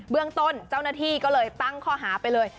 เรื่องต้นเจ้าหน้าที่ก็เลยตั้งข้อหาไปเลย